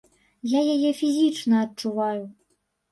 Я яе фізічна адчуваю.